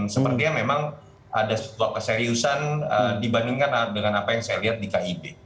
sepertinya memang ada sebuah keseriusan dibandingkan dengan apa yang saya lihat di kib